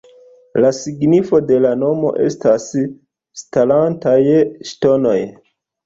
La signifo de la nomo estas ""starantaj ŝtonoj"".